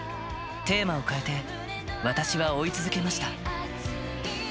テーマを変えて、私は追い続けました。